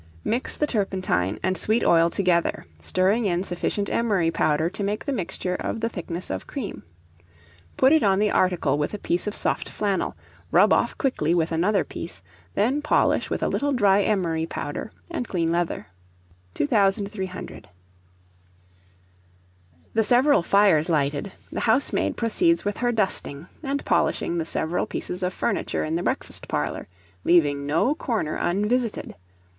_ Mix the turpentine and sweet oil together, stirring in sufficient emery powder to make the mixture of the thickness of cream. Put it on the article with a piece of soft flannel, rub off quickly with another piece, then polish with a little dry emery powder and clean leather. 2300. The several fires lighted, the housemaid proceeds with her dusting, and polishing the several pieces of furniture in the breakfast parlour, leaving no corner unvisited.